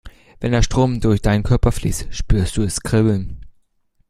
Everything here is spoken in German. Wenn der Strom durch deinen Körper fließt, spürst du es kribbeln.